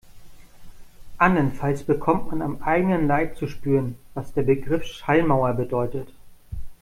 Andernfalls bekommt man am eigenen Leib zu spüren, was der Begriff Schallmauer bedeutet.